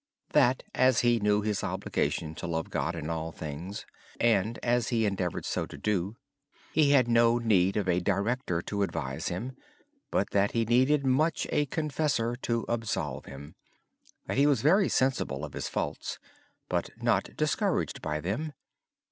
Since he knew his obligation to love God in all things, and as he endeavored to do so, he had no need of a director to advise him, but he greatly needed a confessor to absolve him. He said he was very sensible of his faults but not discouraged by them.